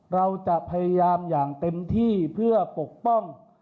เราจะพยายามอย่างเต็มที่เพื่อปกป้อง